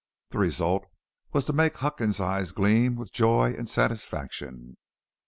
The result was to make Huckins' eyes gleam with joy and satisfaction.